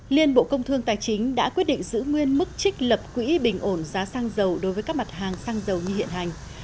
liên bộ công thương tài chính đã quyết định giữ nguyên mức trích lập quỹ bình ổn giá xăng dầu đối với các mặt hàng xăng dầu như hiện hành